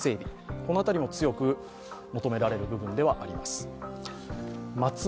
この辺りも強く求められる部分ではあります。